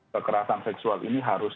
kekerasan seksual ini harus